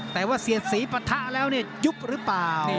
แต่ว่าเสียดสีปะทะแล้วเนี่ยยุบหรือเปล่า